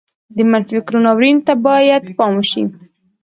د منفي فکر ناورين ته بايد پام وشي.